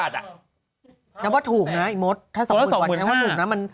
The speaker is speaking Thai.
ตัว๕๐๐๐๐กว่าบาทอะ